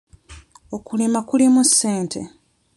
Okulima kulimu ssente.